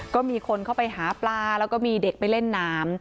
ก็มีคนเข้าไปหาปลาแล้วก็มีเด็กไปเล่นน้ำ